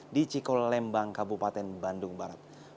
di cikolembang kabupaten bandung barat